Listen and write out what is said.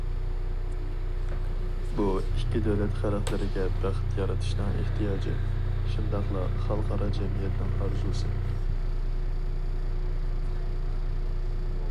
بۇ، ئىككى دۆلەت خەلقلىرىگە بەخت يارىتىشنىڭ ئېھتىياجى، شۇنداقلا خەلقئارا جەمئىيەتنىڭ ئارزۇسى.